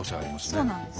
そうなんです。